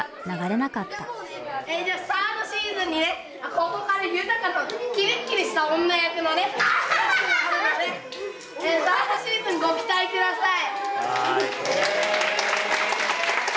ここから悠鷹のキレッキレした女役のね役があるのでサードシーズンご期待ください。